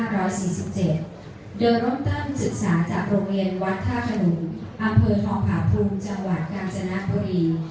โดยเริ่มต้นศึกษาจากโรงเรียนวัดท่าขนุงอำเภอทองผาภูมิจังหวัดกาญจนบุรี